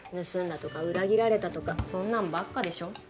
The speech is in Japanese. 盗んだとか裏切られたとかそんなんばっかでしょ？